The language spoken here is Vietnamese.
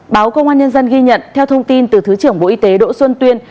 báo công an nhân dân ghi nhận theo thông tin từ thứ trưởng bộ y tế đỗ xuân tuyên